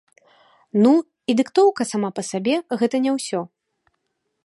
Ну, і дыктоўка сама па сабе гэта не ўсё.